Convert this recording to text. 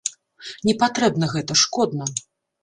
Не патрэбна гэта, шкодна.